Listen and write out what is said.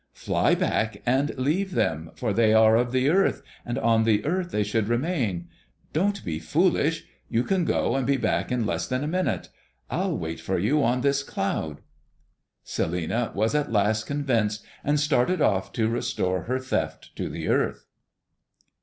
Fly back and leave them, for they are of the earth, and on the earth they should remain. Don't be foolish; you can go and be back in less than a minute. I'll wait for you on this cloud." Celinina was at last convinced and started off to restore her theft to the earth.